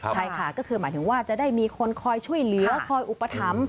ใช่ค่ะก็คือหมายถึงว่าจะได้มีคนคอยช่วยเหลือคอยอุปถัมภ์